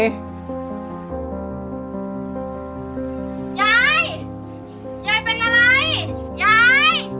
ยาย